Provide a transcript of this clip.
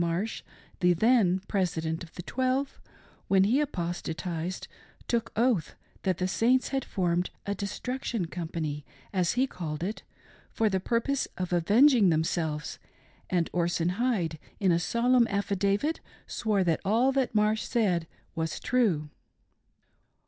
Marsh, the then President of the Twelve, when he apostatised, took oath that the Saints had formed a " Destruction Company," as he called it, for the purpose of avenging themselves, and Orson Hyde, in a solemn affidavit swore that all that Marsh had said was true."